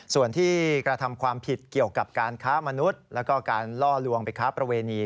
ส่วนที่กระทำความผิดเกี่ยวกับการค้ามนุษย์แล้วก็การล่อลวงไปค้าประเวณี